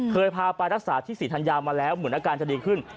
เคยพาไปรักษาที่ศรีธัญญามาแล้วเหมือนอาการจะดีขึ้น